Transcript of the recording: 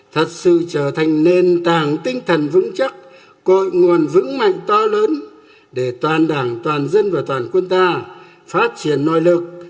thật sự trở thành nền tảng tinh thần vững chắc cội nguồn vững mạnh to lớn để toàn đảng toàn dân và toàn quân ta phát triển nội lực